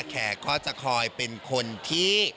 แขกก็จะคอยเป็นคนที่